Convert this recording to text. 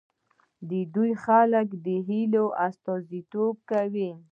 دوی د خلکو د هیلو استازیتوب کاوه.